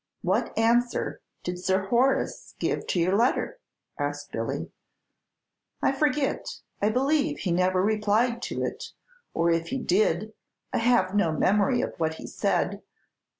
"What answer did Sir Horace give to your letter?" asked Billy. "I forget; I believe he never replied to it, or if he did, I have no memory of what he said.